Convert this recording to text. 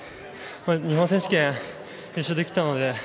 日本選手権で優勝できたので。